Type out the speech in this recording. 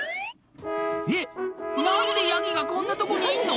「えっ何でヤギがこんなとこにいんの⁉」